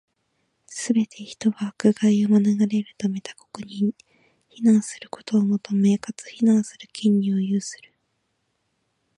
すべて人は、迫害を免れるため、他国に避難することを求め、かつ、避難する権利を有する。